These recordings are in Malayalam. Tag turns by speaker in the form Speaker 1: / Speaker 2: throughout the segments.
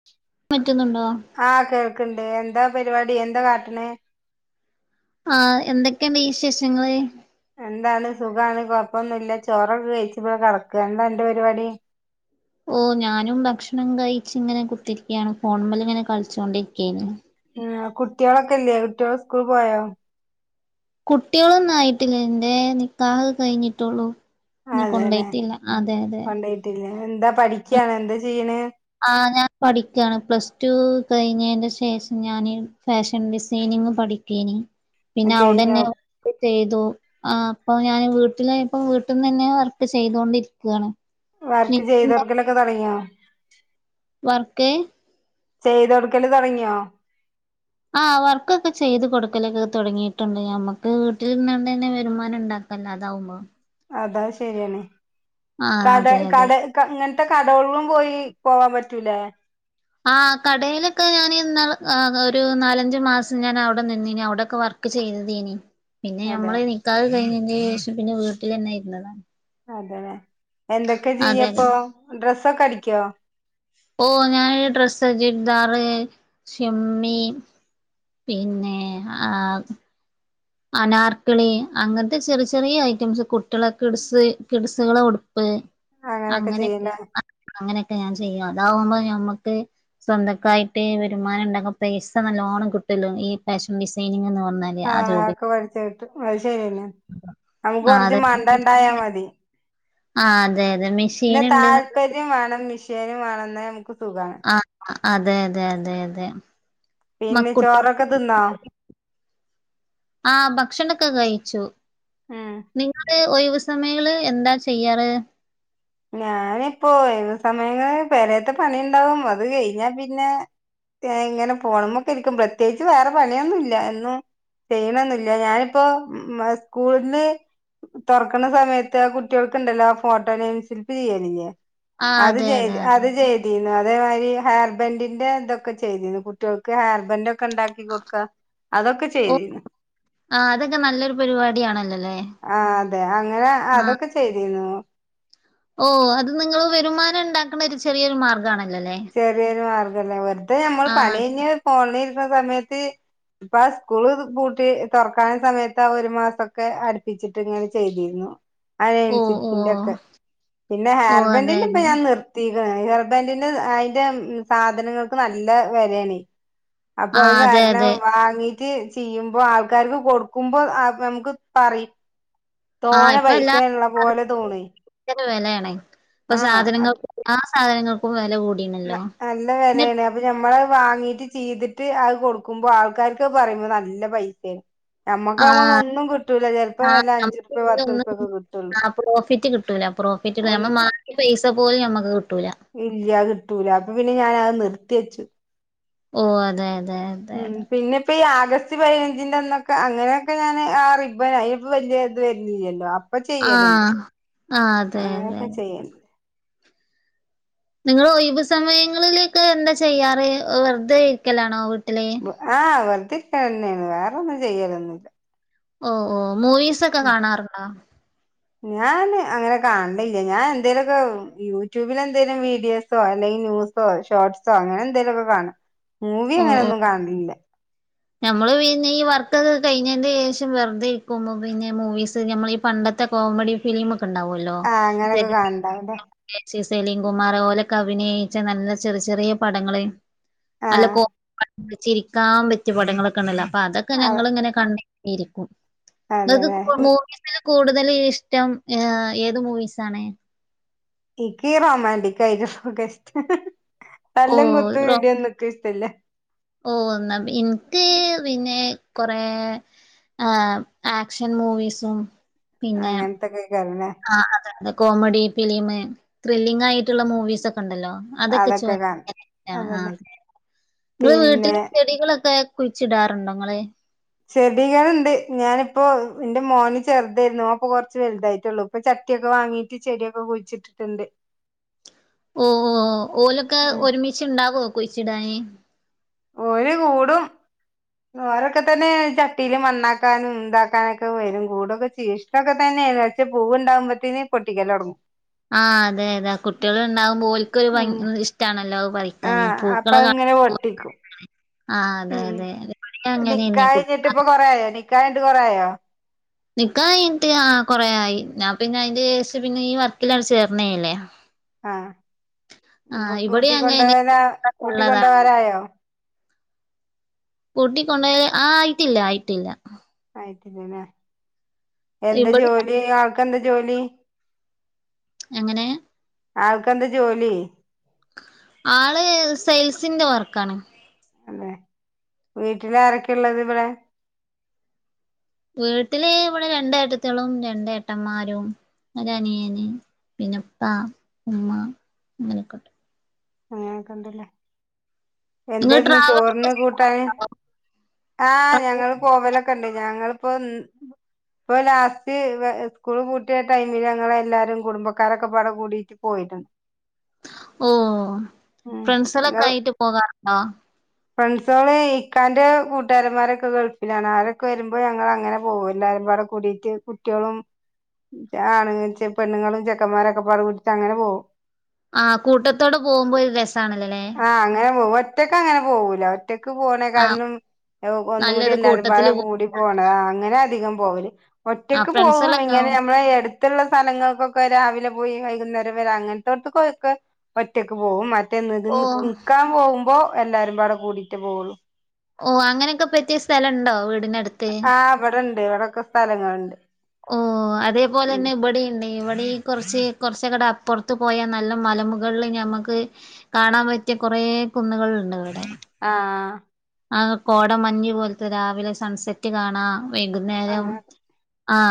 Speaker 1: [inaudible]
Speaker 2: പറ്റുന്നുണ്ടോ
Speaker 1: ആ കേൾക്ക്ണ്ട് എന്താ പരിപാടി എന്താ കാട്ടണെ
Speaker 2: ആ എന്തൊക്കെണ്ട് വിശേഷങ്ങള്
Speaker 1: എന്താണ് സുഖാണ് കൊഴപ്പൊന്നുല്ല ചോറൊക്കെ കഴിച്ചിപ്പോ കെടക്ക എന്താന്റെ പരിപാടി
Speaker 2: ഓ ഞാനും ഭക്ഷണം കയിച്ചിങ്ങനെ കുത്തിരിക്കയാണ് ഫോണുംലെ ഇങ്ങനെ കളിച്ചോണ്ടിരിക്കായിരുന്നു
Speaker 1: ആഹ് കുട്ടികളൊക്കെല്ലേ കുട്ടികൾ സ്കൂൾ പോയോ
Speaker 2: കുട്ടികളൊന്നായിട്ടില്ല എറെ നിക്കാഹ കഴിഞ്ഞിട്ടുള്ളൂ ഇനി
Speaker 1: അതെല്ലെ
Speaker 2: കൊണ്ടോയിട്ടില്ല അതെ അതെ
Speaker 1: കൊണ്ടയിട്ടില്ലേ എന്താ പഠിക്കയാണ് എന്താ ചെയ്യണ്
Speaker 2: ആ ഞാൻ പഠിക്ക്യാണ് പ്ലസ് ടു കഴിഞ്ഞേനു ശേഷം ഞാന് ഫാഷൻ ഡിസൈനിങ് പഠി തേനി പിന്നെ
Speaker 1: കഴിഞ്ഞോ
Speaker 2: അവിടന്നെ ചെയ്തു ആ അപ്പൊ ഞാന് വീട്ടിലായപ്പോ വീട്ടിന്നന്നെ വർക്ക് ചെയ്തൊണ്ടിരിക്കുവാണ്
Speaker 1: വർക്ക് ചെയ്തർക്കലൊക്കെ തൊടങ്ങിയോ
Speaker 2: വർക്കെ
Speaker 1: ചെയ്തൊടുക്കല് തൊടങ്ങിയോ
Speaker 2: ആ വർക്കൊക്കെ ചെയ്ത് കൊടുക്കലൊക്കെ തൊടങ്ങീട്ടൊണ്ട് ഞമ്മക്ക് വീട്ടിലിരുന്നോണ്ടന്നെ വരുമാനം ഉണ്ടാക്കാം വല്ലാതാവുമ്പോ
Speaker 1: അത ശരിയാണ്
Speaker 2: ആഹ്
Speaker 1: കട
Speaker 2: അതെ അതെ
Speaker 1: കട ഇങ്ങനത്തെ കടകളും പോയി പോവാൻ പറ്റൂലേ
Speaker 2: ആ കടയിലൊക്കെ ഞാന് ഒരു നാലഞ്ചു മാസം ഞാൻ അവിടെ നിന്ന അവിടെൊക്കെ വർ ഒ ചെയ്തീനി പിന്നെ
Speaker 1: അതെ
Speaker 2: നമ്മള് നിക്കാതെ കഴിഞ്ഞതി ശേഷം പിന്നെ വീട്ടിൽ തന്നൊയിരുന്നതാ
Speaker 1: എന്തൊക്കെ
Speaker 2: അതെ അതെ
Speaker 1: ചെയ്യപ്പോ ഡ്രസ്സൊക്കെ അടിക്കോ
Speaker 2: ഓ ഞാൻ ഡ്രസ്സ്ച്ചടുതാറ് ഷെമ്മി പിന്നെ ആഹ് അനാർക്കിളി അങ്ങനത്തെ ചെറിയ ചെറിയ ഐറ്റംസ് കുട്ടികള കിഡസ് കിഡ്സുകളൾ ഉടുപ്പ്
Speaker 1: അങ്ങനൊക്കെ
Speaker 2: അങ്ങനെയൊക്കെ
Speaker 1: ചെയ്യല്ലേ
Speaker 2: അങ്ങനെയൊക്കെ ഞാൻ ചെയ്യും അതാവുമ്പോ ഞമ്മക്ക് സ്വന്തക്കായിട്ട് വരുമാനം ഉണ്ടാക്ക പൈസ നല്ലോണം കിട്ടല്ലോ ഈ ഫാഷൻ ഡിസൈനിങ് എന്ന് പറഞ്ഞാൽ
Speaker 1: ആഹ് ഒക്കെ പഠിച്ചു കിട്ടും അത് ശരിയന്നെ നമുക്ക്
Speaker 2: ആ
Speaker 1: കൊറച്ച് മണ്ട ഉണ്ടായാ മതി
Speaker 2: ആഹ് അതെ അതെ മെഷീൻ
Speaker 1: പിന്നെ
Speaker 2: ഉണ്ട്ന്ന്
Speaker 1: താല്പര്യം വേണം മിഷീനും വേണം എന്നൽ നമുക്ക് സുഖമാണ്
Speaker 2: ആഹ് അതെ അതെ അതെ അതെ
Speaker 1: പിന്നെ
Speaker 2: മക്കുട്ടി
Speaker 1: ചോറൊക്കെ തിന്നോ
Speaker 2: ആ ഭക്ഷണക്കെ കഴിച്ചു
Speaker 1: ഉം
Speaker 2: നിങ്ങ ഒയിവ് സമയങ്ങള് എന്താ ചെയ്യാറ്
Speaker 1: ഞാനിപ്പോ ഏക സമയങ്ങള് വേലയത്തെ പണി ഉണ്ടാവും അത് കഴിഞ്ഞാ പിന്നെ ഇങ്ങനെ പോണമൊക്കെ ഇരിക്കും പ്രത്യേകിച്ച് വേറെ പണിയൊന്നും ഇല്ല എന്നന്ന് ചെയ്യണന്നില്ല ഞാനിപ്പോ സ്കൂളില് തുറക്കണ സമയത്ത് കുട്ടികൾക്ക്ണ്ടല്ലോ ആ ഫോട്ടോ നെയിം ശില്പ്പ് ചെയ്യാനില്ലേ
Speaker 2: ആ
Speaker 1: അത്
Speaker 2: അതെ അതെ
Speaker 1: ചെയ്ത്
Speaker 2: അതെ
Speaker 1: അത്
Speaker 2: അതെ
Speaker 1: ചെയ്തു കുന്നു അതേമാതിരി ഹെയർ ബെൻഡറിന്റെ ഇതൊക്കെ ചെയ്തിരുന്നു കുട്ടികൾക്ക് ഹെയർ ബെൻഡ ഒക്കെ ഉണ്ടാക്കി കൊടുക്ക അതൊക്കെ ചെയ്തിരുന്നു
Speaker 2: ആഹ് അതൊക്കെ നല്ലൊരു പരിപാടി ആണല്ലോല്ലേ
Speaker 1: ആ അതെ അങ്ങനെ അതൊക്കെ ചെയ്തിരുന്നു
Speaker 2: ഓ അത് നിങ്ങള് വരുമാനം ഉണ്ടാക്കണ ഒരു ചെറിയൊരു മാർഗമാണല്ലോല്ലേ
Speaker 1: ചെറിയൊരു മാർഗമല്ലേ വെറുതെ ഞമ്മള് പണി കഴിഞ്ഞ് പോണിരിക്കുന്ന സമയത്ത് ഇപ്പ ആ സ്കൂള് പൂട്ടി തുറക്കാന സമയത്ത് ആ ഒരു മാസോക്കെ അടുപ്പിച്ചിട്ട് ഇങ്ങനെ ചെയ്തിരുന്നു
Speaker 2: [inaudible]
Speaker 1: അന
Speaker 2: ഓ
Speaker 1: സഫിന്റെ ഒക്കെ പിന്നെ
Speaker 2: ഓ അതെ
Speaker 1: ഹെയർബെൻറിന്റെ ഇപ്പ
Speaker 2: അതെ
Speaker 1: ഞാൻ നിർത്തി ഹെയർബെൻറി അതിന്റെ സാധനങ്ങൾക്ക് നല്ല വരിണി അപ്പൊ
Speaker 2: ആ
Speaker 1: അത്
Speaker 2: അതെ
Speaker 1: കാരണം
Speaker 2: അതെ
Speaker 1: വാങ്ങി ചെയ്യുമ്പോ ആൾക്കാർക്ക് കൊടുക്കുമ്പോ നമുക്ക് പറയും തോനെ പൈസ ഉള്ള പോലെ തോണി
Speaker 2: ഭ വിലയാണ് ഇപ്പൊ
Speaker 1: ആഹ് അപ്
Speaker 2: സാധനങ്ങൾക്കും എല്ലാ സാധനങ്ങൾക്കും വില കൂട
Speaker 1: നല്ല വിലയാണ് അപ്പഞമ്മള വാങ്ങീട്ട് ചെയ്തിട്ട് അത് കൊടുക്കുമ്പോ ആൾക്കാർക്കൊക്കെ പറയുമ്പോ നല്ല പൈസയാണ്
Speaker 2: ആ
Speaker 1: നമ്മുക്ക്വന്ന ഒന്നും കിട്ടൂില്ല ചിലപ്പോ
Speaker 2: ആ
Speaker 1: വല്ല
Speaker 2: നമുക്ക്
Speaker 1: അഞ്ചുർപ്യേ
Speaker 2: ഇതിലൊന്നും
Speaker 1: പത്തുർപയൊക്കെ കിട്ടയുള്ളൂ
Speaker 2: ആ പ്രോഫിറ്റ് കിട്ടൂല പ്രോഫിറ്റ് നമ്മൾ മാറ്റി പൈസ പോലും നമ്മുക്ക് കിട്ടൂല
Speaker 1: ഇല്ല കിട്ടൂല അപ്പൊ പിന്നെ ഞാാന അത് നിർത്തി വെച്ചു
Speaker 2: ഓ അതെ അതെ അതെ
Speaker 1: ഉം
Speaker 2: അതെ
Speaker 1: പിന്നെ ഇപ്പൊ ഈ ആഗസ്റ്റ് പതിനഞ്ചിന്റെ അന്നൊക്കെ അങ്ങനെയൊക്കെ ഞാൻ ആ റിബൻ അനിപ്പ വല വരുന്നല്ലോ അപ്പൊ
Speaker 2: ആ
Speaker 1: ചെയ്യലുണ്ട്
Speaker 2: ആ അതെ അതെ
Speaker 1: അങ്ങനെയൊക്കെ ചെയ്യൻ
Speaker 2: നിങ്ങൾ ഒഴബ് സമയങ്ങളിലേക്ക് എന്താ ചെയ്യാറ് വെറതെ ഇരിക്കലാണോ വീട്ടിലെ
Speaker 1: ആഹ് വെലുതിരിക്ക തന്നെയാണ് വേറെൊന്നും ചെയ്യലൊന്നുമില്ല
Speaker 2: ഓ ഓ മൂവീസൊക്കെ കാണാറുണ്ടോ
Speaker 1: ഞാൻ അങ്ങനെ കാണണ്ല്ല ഞാൻ എന്തേലുമൊക്കെ യൂട്യൂബിലെന്തേലും വീഡിയോസോ അല്ലെങ്കിൽ ന്യൂസ് ഷോർട്സോ അങ്ങനെ എന്തേലുമൊക്കെ കാണും മൂവി അങ്ങനെയൊന്നും കാണലില്ല
Speaker 2: നമ്മള് പിന്നെ ഈ വർക്കൊക്കെ കഴിഞ്ഞതിന്റെ ശേഷം വെറുതെ ഇരിക്കുമ്പോ പിന്നെ മൂവീസ് നമ്മൾ ഈ പണ്ടത്തെ ഇപ്പത്തെ കോമഡി ഫിലിമൊക്കെ ഉണ്ടാവുവല്ലോ
Speaker 1: ആഹ് അങ്ങനൊക്കെ കാണണ്ടാവൂല്ലേ
Speaker 2: [unintelligible] [unintelligible] സലിം കുമാർ ഓലൊക്ക അഭിനയിച്ച നല്ല ചെറിയ ചെറിയ പടങ്ങള് അല്ല
Speaker 1: ആഹ്
Speaker 2: കോ ചിരിക്കാൻ പറ്റിയ പടങ്ങളൊക്കെ ഉണ്ടല്ലോ അപ്പൊ അതൊക്കെ
Speaker 1: അഹ്
Speaker 2: ഞങ്ങളിങ്ങനെ കണ്ട് ഇരിക്കും
Speaker 1: അതെല്ലേ
Speaker 2: [unintelligible] കൂടുതലും ഇഷ്ടം ഏത് മൂവീസ് ആണ്
Speaker 1: എനിക്ക് റൊോമാന്റിക് ആയി ഒക്കെ ഇഷ്ടം
Speaker 2: ഓ
Speaker 1: തല്ലും കുത്തും ഇ
Speaker 2: റോ-
Speaker 1: ടിയോ നമ്മൾക്ക് ഇഷ്ടല്ല
Speaker 2: ഓ എന്നാ എനിക്ക് പിന്നെ കൊറേ ആഹ് ആക്ഷൻ മൂവീസും പിന്നെ
Speaker 1: [unintelligible]
Speaker 2: ആ അതെ അതെ കോമഡി ഫിലിമ് ത്രില്ലിംഗ് ആയിട്ടുള്ള മൂവീസ് ഒക്കെ ഉണ്ടല്ലോ അതൊക്കെ [unintelligible]
Speaker 1: അതല്ലേ
Speaker 2: നിങ്ങടെ വീട്ടിൽ
Speaker 1: പിന്നെ
Speaker 2: ചെടികളൊക്കെ കുഴിച്ചിടാറുണ്ടോ നിങ്ങള്
Speaker 1: ചെടികൾ ഉണ്ട് ഞാനിപ്പോ എന്റെ മോന് ചെറുതായിരുന്നുഓന് ഇ പ്പൊ കൊറച്ച് വലുതായിട്ടുള്ളു ഇപ്പൊ ചട്ടിയൊക്കെ വാങ്ങിയിട്ട് ചെടിയൊക്കെ കുഴിച്ചിട്ടിട്ടുണ്ട്
Speaker 2: ഓ ഓ ഓലൊക്കെ
Speaker 1: ഉം
Speaker 2: ഒരുമിച്ച് ഉണ്ടാവോ കുഴിച്ചിടാന്
Speaker 1: ഒരു കൂടും ഓരൊക്കെ തന്നെ ചട്ടിയില് മണ്ണാക്കാനും ഇതാക്കാനൊക്കെ വരും കൂടൊക്കെ ചെയ്യും ഇതൊക്കെ തന്നെയാരുന്നു വച്ചേ പൂവ് ഉണ്ടാവുമ്പോത്തേന് പൊട്ടിക്കൽ തുടങ്ങും
Speaker 2: ആഹ് അതെ അതെ കുട്ടികൾഉണ്ടാകുമ്പോൾ
Speaker 1: ഉം
Speaker 2: ഒരുക്കത് ഇഷ്ടണല്ലോ പറ [unintelligible]
Speaker 1: ആഹ്
Speaker 2: [unintelligible]
Speaker 1: അപ്പൊ
Speaker 2: പൂക്കളെ
Speaker 1: ഇങ്ങനെ പൊട്ടിക്കും
Speaker 2: ആ അതെ
Speaker 1: ഉം
Speaker 2: അതെ [unintelligible] എവിടെ അങ്ങനെ [unintelligible]
Speaker 1: കുറയോ നിക്കായട്ട് കുറായോ
Speaker 2: നിക്കാൻ കഴിഞ്ഞിട്ട് ആ കൊറയായി ഞാൻ പിന്നെ അതിന്റെ ശേഷം പിന്നെ ഈ വർക്കിലങ്ങ് ചേർന്നതല്ലേ
Speaker 1: ആഹ് ഇപ്പൊ
Speaker 2: ആഹ് ഇവിടേം അങ്ങനെന്നെ ള്ളതാണ്
Speaker 1: അയ്യോ
Speaker 2: കൂട്ടി കൊണ്ട് പോയി ആയിട്ടില്ല ആയിട്ടില്ല
Speaker 1: ആയിട്ടില്ലല്ലേ എന്താ
Speaker 2: ഇവിടെ
Speaker 1: ജോലി ആൾക്കെന്താ ജോലി
Speaker 2: എ ങ്ങനെ
Speaker 1: ആൾക്ക് എന്താ ജോലി
Speaker 2: ആള് സെയിൽസിന്റെ വർക്കാണ്
Speaker 1: അല്ലെ വീട്ടില ആരൊക്കെ ഉള്ളത് ഇവിടെ
Speaker 2: വീട്ടില് ഇവിടെ ഏട്ടത്തിയളും രണ്ട് ഏട്ടന്മാരും ഒരു അനിയൻ പിന്നപ്പ ഉമ്മ അങ്ങനൊക്കെട്ട
Speaker 1: അങ്ങനൊക്കെണ്ടല്ലേ
Speaker 2: നിങ്ങൾ
Speaker 1: എന്തായിരുന്നു
Speaker 2: ട്രാവലൊക്കെ
Speaker 1: ചോറിന് കൂട്ടാന്
Speaker 2: ചെയ്യാറുണ്ടോ
Speaker 1: ആഹ് ഞങ്ങൾ പോകലൊക്കെയുണ്ട് ഞങ്ങിളിപ്പോ ഇപ്പൊ ലാസ്റ്റ് സ്കൂള് പൂട്ടിയ ടൈമില് ഞങ്ങൾ എല്ലാരും കുടുംബക്കാരൊക്കെപാടെ കൂടീട്ട് പോയിട്ടുണ്ട്
Speaker 2: ഓ
Speaker 1: ഉം
Speaker 2: ഫ്രണ്ട്സ്‌ളൊക്കെ ആയിട്ട് പോകാറുണ്ടോ
Speaker 1: ഫ്രണ്ട്സുകള് ഇക്കാന്റെ കൂട്ടുകാരന്മാരൊക്കെ ഗൾഫിലാണ് അവരൊക്കെ വരുമ്പോൾ ഞങ്ങൾ അങ്ങനെ പോവും [unintelligible] കൂടീട്ട് കുട്ട്യോളും ആ [unintelligible] പെണ്ണുങ്ങളും ചെക്കന്മാരൊക്കെ പാടെ വിട്ടിട്ട് അങ്ങനെ പോകും
Speaker 2: ആഹ് കൂട്ടത്തോടെ പോകുമ്പോൾ ഒരു രസണല്ലോല്ലേ
Speaker 1: ആ അങ്ങനെ പോ [unintelligible] ഒറ്റക്ക് അങ്ങനെ പോകൂല ഒറ്റയ്ക്ക്
Speaker 2: ആ
Speaker 1: പോണേക്കാട്ടിലും ഒന്നും കൂടി
Speaker 2: നല്ലത്
Speaker 1: എല്ലാരും പാടെ
Speaker 2: കൂട്ടത്തില് പോ
Speaker 1: കൂടി പോണം അങ്ങനെ അധികം പോവല്
Speaker 2: ആ
Speaker 1: ഒറ്റക്ക് പോകും
Speaker 2: ഫ്രണ്ട്സുകളൊക്കെ
Speaker 1: ഇങ്ങനെ
Speaker 2: ആവും
Speaker 1: നമ്മളഎടുത്തു അടുത്തുള്ള സ്ഥലങ്ങൾക്കൊക്കെ രാവിലെ പോയി വൈകുന്നേരം വരെ അങ്ങനത്തെടത്തക്ക ഒക്കെ ഒറ്റക്ക് പോകും മ
Speaker 2: ഓ
Speaker 1: നിക്കാൻ പോകുമ്പോ എല്ലാരും പാടെ കൂടിയിട്ടേ പോകുള്ളു
Speaker 2: ഓ അങ്ങനെയൊക്കെ പറ്റിയ സ്ഥലം ഉണ്ടോ വീടിനടു
Speaker 1: ആ ഇവിടെയുണ്ട്. ഇവിടെക്കെ സ്ഥലങ്ങളുണ്ട്.
Speaker 2: ഓ അതേപോലെ
Speaker 1: ഉം
Speaker 2: തന്നെ ഇവിടെയുണ്ട് ഇവിടെ കുറച്ച് കുറച്ചക്കടെ അപ്പുറത്ത് പോയാൽ നല്ല മലമു മുകളില് ഞമ്മുക്ക് കാണാൻ പറ്റിയ കുറേ കുന്നുകളുണ്ട് ഇവിടെ
Speaker 1: ആ
Speaker 2: ആഹ് കോടമഞ്ഞു പോലത്തെ രാവിലെ സൺസെറ്റ് കാണാം വൈകുന്നേരം
Speaker 1: അങ്ങനെ
Speaker 2: ആ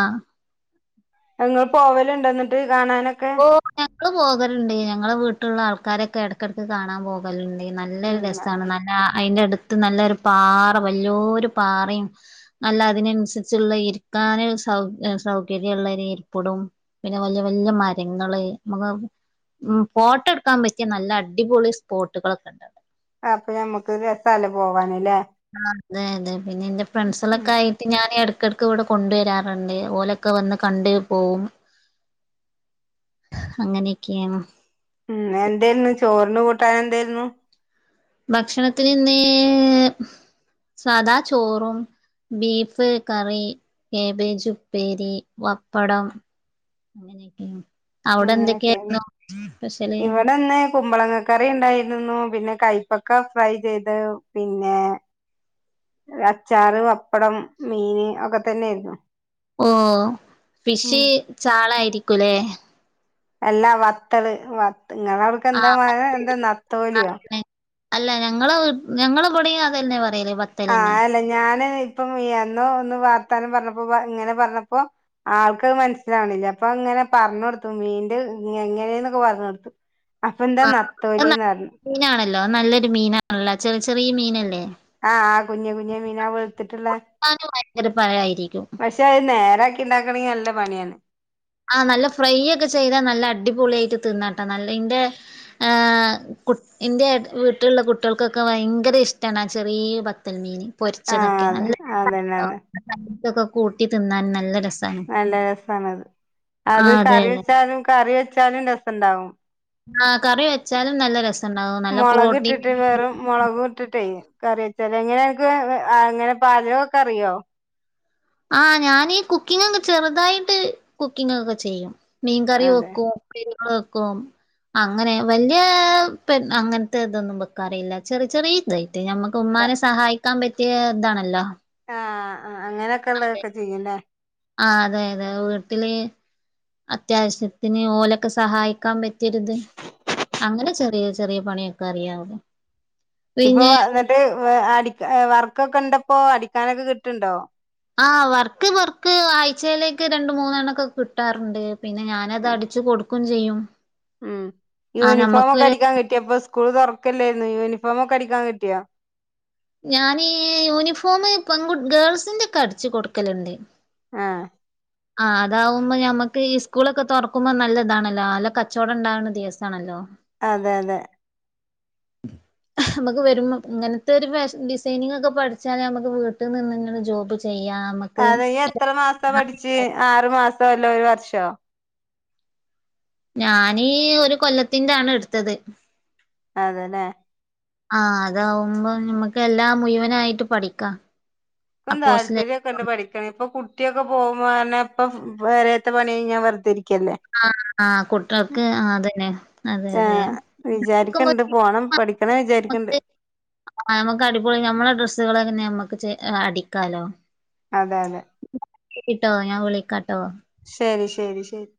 Speaker 1: ങ്ങള് പോവലുണ്ടോ എന്നിട്ട് കാണാനൊക്കെ?
Speaker 2: ഓ ഞങ്ങള്പോകലുണ്ട് ഞങ്ങളെ വീട്ടിലുള്ള ആൾക്കാരൊക്കെ ഇടക്കിടക്ക് കാണാൻ പോക ണ്ടല് നല്ലൊരു
Speaker 1: ഉം
Speaker 2: രസമാണ് നല്ല അതിന്റെ അടുത്ത് നല്ലൊരു പാറ വല്ലൊരു പാറയും അല്ല അതിനനുസരിച്ചുള്ള ഇരിക്കാന് സൗ സൗകര്യം ഉള്ള ഒരു ഇരിപ്പടവും പിന്നെ വല്യ വല്യ മ ങ്ങള് നമ്മുക്ക് ഫോട്ടോ എടുക്കാൻ പറ്റിയ നല്ല അടിപൊളി സ്പോട്ടുകളൊക്കെ ഉണ്ട്.
Speaker 1: അപ്പൊ ഞമ്മുക്ക് രസം അല്ലേ പോവാനല്ലേ?
Speaker 2: അതെ അതെ പിന്നെ എന്റെ
Speaker 1: ഉം
Speaker 2: ഫ്രണ്ട്സുകളായിട്ട്ഞാന് ഇട ഇടക്ക് ഇവിടെ കൊണ്ടുവരാറുണ്ട് ഓലൊക്കെ വന്ന്കണ്ട് പോവും അങ്ങനെയൊക്കെയാണ്
Speaker 1: ഉം. എന്തായിരുന്നു ചോറിന് കൂട്ടാന് എന്തായിരുന്നു
Speaker 2: ഭക്ഷണത്തിന് ഇന്ന് സാദാ ചോറും ബീഫ് കറി, കേബേജ് ഉപ്പേരി, പപ്പടം [unintelligible] അവിടെ
Speaker 1: അങ്ങനെയൊക്കെയാണ്
Speaker 2: എന്തൊക്കെയായിരുന്നു സ്പെഷ്യല്
Speaker 1: ഇവിടെന്ന് കുമ്പളങ്ങ കറി ഉണ്ടായിരുന്നു പിന്നെ കൈപ്പക്ക ഫ്രൈ ചെയ്ത് പിന്നെ അച്ചാറ്, പപ്പടം, മീന്, ഒക്കെ തന്നെയായിരുന്നോ
Speaker 2: ഓ ഫിഷ് ചാളയായിരിക്കും അല്ലേ?
Speaker 1: അല്ലാ വത്തല് വ നിങ്ങടെഅവിടെക്കെ എന്താ
Speaker 2: ആഹ് ബത്തല്
Speaker 1: എന്താ നത്തോലിയോ?
Speaker 2: അങ്ങനെ അല്ല ഞങ്ങള് ഞങ്ങളിവിടെയും അതു തന്നെയാ പറയല് വ
Speaker 1: ആഹ് അല്ല ഞാന് ഇപ്പം എന്നോ ഒന്ന് വാർത്താനം പറഞ്ഞപ്പോ ഇങ്ങനെ പറഞ്ഞപ്പോ ആൾക്കത് മനസ്സിലാവണില്ല അപ്പൊ ഇങ്ങനെ പറഞ് കൊടുത്തു മിന്റെ എങ്ങനെ നൊക്കെ എന്ന് പറഞ്ഞുകൊടുത്തു. അപ്പൊ എന്താ
Speaker 2: ആ അത് നല്ല
Speaker 1: നത്തോലിന്ന് പറഞ്ഞു
Speaker 2: മീനാണല്ലോ അനല്ലൊരു മീനാണല്ലോ ചെറിയ ചെറിയ മീനല്ലേ?
Speaker 1: ആ ആ കുഞ്ഞ്കുഞ്ഞ് മീനാ വെളിത്തിട്ടുള്ളേ-
Speaker 2: ക്കാനും ഭയങ്കര പഴായിരിക്കും
Speaker 1: പക്ഷെ അത് നേരാക്കി ഉണ്ടാക്കണെങ്കില്നല്ല പണിയാണ്
Speaker 2: ആഹ് നല്ല ഫ്രൈ ഒക്കെ ചെയ്താൽ നല്ല അടിപൊളിആയിട്ട് തിന്നാംട്ടോ നല്ലതിന്റെ ആ കു എൻ്റെ വീട്ടിലുള്ള കുട്ടികൾക്കൊക്കെ ഭയങ്കര ഇഷ്ടമാണ് ആ ചെറിയ പത്തൽമീൻ
Speaker 1: ആഹ്
Speaker 2: പൊരിച്ചതൊക്കെ
Speaker 1: അതെ അതന്നെന്നെ
Speaker 2: [unintelligible] കൂട്ടി തിന്നാൻ നല്ല രസമാണ്.
Speaker 1: നല്ല രസാണ് അത് അത്
Speaker 2: അതെ
Speaker 1: കറി
Speaker 2: അതെ
Speaker 1: വെച്ചാലും കറി വെച്ചാലും രസം ഉണ്ടാവും.
Speaker 2: ആ കറി വെച്ചാലും നല്ല രസം ഉണ്ടാവും നല്ല പ്രോട്ടീൻ
Speaker 1: മുളക് വിട്ടിട്ടേ കറി വെച്ചല് എങ്ങനെ നിനക്ക് അങ്ങനെ പാചകമൊക്കെ അറിയോ
Speaker 2: ആ ഞാനീ കുക്കിങ് ഒക്കെ ചെറുതായിട്ട് കുക്കിംഗ് ഒക്കെ ചെയ്യും. മീൻ കറി
Speaker 1: അതെ
Speaker 2: വെക്കും പീരവെക്കും അങ്ങനെ വലിയ അങ്ങനത്തെ ഇതൊന്നും വെക്കാറയില്ല ചെറിയ ചെറിയ ഇതായിട്ട് ഞമ്മക്ക് ഉമ്മാനെ സഹായിക്കാൻ പറ്റിയ ഇതാണല്ലോ
Speaker 1: ആഹ് ആഹ് അങ്ങനെയൊക്കെ ഉള്ളതൊക്കെ ചെയ്യുല്ലേ?
Speaker 2: ആഹ് അതെ അതെ വീട്ടില് അത്യാവശ്യത്തിന് ഓലൊക്കെ സഹായിക്കാൻ പ ചെര്ത് അങ്ങനെ ചെറിയ ചെറിയ പണിയൊക്കെ അറിയാവോ
Speaker 1: ഇപ്പൊ എന്നിട്ട് അട വർക്കൊക്കെ ണ്ടപ്പോ അടിക്കാനൊക്കെ കിട്ട്ണ്ടോ
Speaker 2: ആഹ് വർക്ക് വർക്ക് ആഴ്ച്ചേലൊക്കെ രണ്ട് മൂന്നെണ്ണക്കെ കിട്ടാറ്ണ്ട് പിന്നെ ഞാനത്
Speaker 1: ഉം
Speaker 2: അടിച്ച് കൊട്ക്കും ചെയ്യും
Speaker 1: ഉം
Speaker 2: ആഹ്
Speaker 1: യൂണിഫോമൊക്കെ
Speaker 2: നമ്മക്കൊരു
Speaker 1: അടിക്കാൻ കിട്ടിയൊ ഇപ്പം സ്കൂള് തൊറക്കില്ലായിരുന്നൊ യൂണിഫോമൊക്കെ അടിക്കാൻ കിട്ടിയോ
Speaker 2: ഞാന് യൂണിഫോമ് പെൺകു ഗേൾസിന്റെക്കെ അടിച്ച് കൊട്ക്കല്ണ്ട്
Speaker 1: ആഹ്
Speaker 2: ആഹ് അതാവുമ്പോ നമ്മക്ക് ഈ സ്കൂളൊക്കെ തൊറക്കുമ്പോ നല്ല ഇതാണല്ലോ നല്ല കച്ചോടം ഇണ്ടാവ്ണ ദിവസാണല്ലോ
Speaker 1: അതെ അതെ
Speaker 2: [inaudible] നമുക്ക് വരുമ്പോ ങ്ങനത്തെരു ഫാഷൻ ഡിസൈനിങ് ഒക്കെ പഠിച്ചാ നമുക്ക് വീട്ടിൽ നിന്ന് ങ്ങനെ ജോബ് ചെയ്യാം നമുക്ക്
Speaker 1: അത് എത്ര മാസം പഠിച്ച് ആറു മാസോ അല്ലേ ഒര് വർഷോ
Speaker 2: ഞാന് ഒരു കൊല്ലത്തിന്റാണ് ഇട്ത്തത്
Speaker 1: അതെലേ
Speaker 2: ആഹ അതാവുമ്പോ നമ്മക്ക് എല്ലാം മുഴുവനായിട്ട് പഠിക്കാം ആ കോഴ്സില്
Speaker 1: ഇപ്പംതാല്പര്യം. ഇപ്പം എന്താ പഠിക്കണേ ഇപ്പൊ കുട്ടിയൊക്കെ പോകുമ്പോ തന്നെ ഇപ്പം പേരെത്തെ പണി കഴിഞ്ഞാ വെറുതെ ഇരിക്കല്ലേ.
Speaker 2: ആ ആ കുട്ട്യോൾക്ക് ആ അതന്നെ അതെ അതെ
Speaker 1: ആഹ് വിചാരിക്കണ്ട് പോണം പഠിക്കണം വിചാരിക്ക്ണ്ട്
Speaker 2: ആഹ് നമുക്ക് അടിപൊളി നമ്മളെ ഡ്രസ്സ്കളെന്നെ നമ്മക്ക് ചേ അടിക്കാലോ
Speaker 1: അതെ അതെ
Speaker 2: ശെരിട്ടോ ഞാൻ വിളിക്കാട്ടോ
Speaker 1: ശരി ശരി ശരി